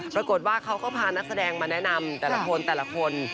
ปรากฏว่าเขาก็พานักแสดงมาแนะนำแต่ละคนแต่ละคน